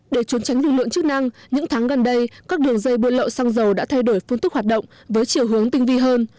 để trốn tránh lực lượng chức năng những tháng gần đây các đường dây buôn lậu xăng dầu đã thay đổi phương thức hoạt động với chiều hướng tinh vi hơn